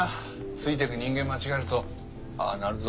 ついていく人間間違えるとああなるぞ。